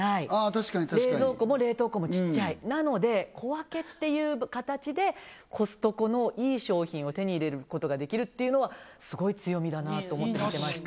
確かに確かに冷蔵庫も冷凍庫もちっちゃいなので小分けっていう形でコストコのいい商品を手に入れることができるっていうのはすごい強みだなと思って見てました